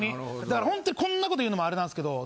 だからほんとにこんなこと言うのもあれなんですけど。